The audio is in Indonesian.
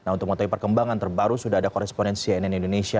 untuk mengetahui perkembangan terbaru sudah ada koresponen cnn indonesia